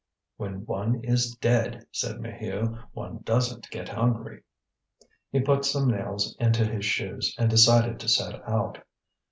"When one is dead," said Maheu, "one doesn't get hungry." He put some nails into his shoes, and decided to set out.